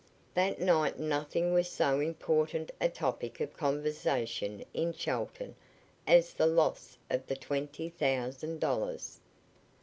That night nothing was so important a topic of conversation in Chelton as the loss of the twenty thousand dollars.